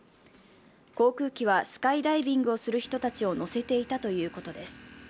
航空機はスカイダイビングをする人たちを乗せていたということです。